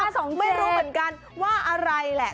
สองไม่รู้เหมือนกันว่าอะไรแหละ